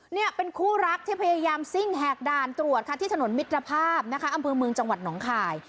เนี่ยเป็นคู่รักที่พยายามซิ่งแหกด่านตรวจค่ะที่ถนนมิตรภาพนะคะอำเภอเมืองจังหวัดหนองคาย